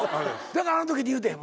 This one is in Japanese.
だからあんときに言うてん。